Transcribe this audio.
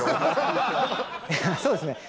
そうですね。